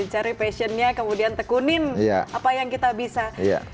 cari passionnya kemudian tekunin apa yang kita bisa